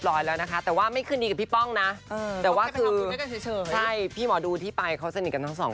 พี่สายดิฉันนี่แหละก็แค่นั้นเอง